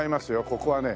ここはね